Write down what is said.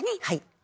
はい。